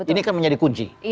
ini akan menjadi kunci